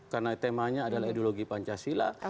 karena temanya adalah ideologi pancasila